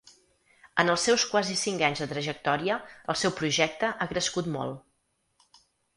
En els seus quasi cinc anys de trajectòria el seu projecte ha crescut molt.